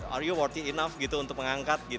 are you worthy enough untuk mengangkat